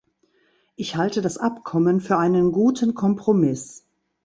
Ich halte das Abkommen für einen guten Kompromiss.